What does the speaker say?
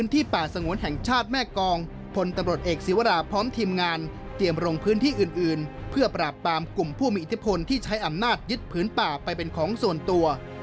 ที่ใช้อำนาจยึดผืนป่าไปเป็นของส่วนตัว